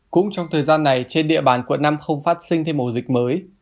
cũng trong thời gian này trên địa bàn quận năm không phát sinh thêm ổ dịch mới